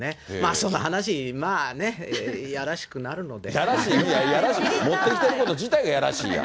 その話、まあ、ね、やらしくなるやらしい、持ってきてること自体がやらしいやん。